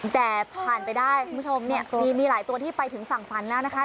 แต่ผ่านไปได้คุณผู้ชมเนี่ยมีหลายตัวที่ไปถึงฝั่งฝันแล้วนะคะ